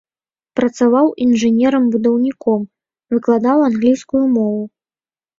Працаваў інжынерам-будаўніком, выкладаў англійскую мову.